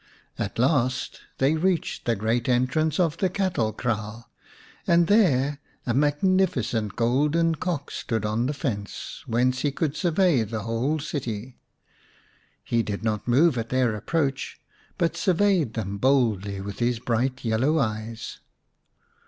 At last they reached the great entrance of the cattle kraal, and there a magnificent golden Cock stood on the fence, whence he could survey the whole city. He did not move at their approach, but surveyed them boldly with his bright yellow eyes.